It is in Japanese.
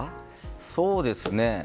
そうですね。